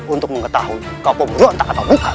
untuk mengetahui kau pemerintah atau bukan